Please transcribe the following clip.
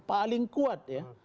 paling kuat ya